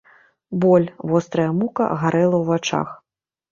Боль, вострая мука гарэла ў вачах.